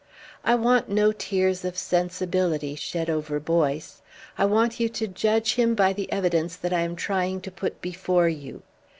I want no tears of sensibility shed over Boyce. I want you to judge him by the evidence that I am trying to put before you.